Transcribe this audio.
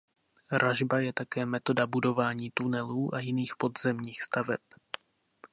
Ražba je také metoda budování tunelů a jiných podzemních staveb.